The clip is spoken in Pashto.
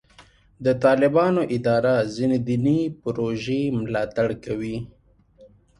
د طالبانو اداره ځینې دیني پروژې ملاتړ کوي.